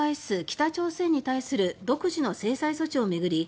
北朝鮮に対する独自の制裁措置を巡り